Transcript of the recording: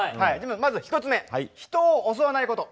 まず１つ目人を襲わないこと。